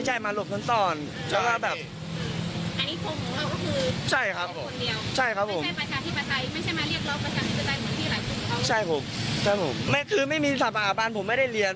ใช่ครับคือไม่มีสรรพาบาลผมไม่ได้เรียน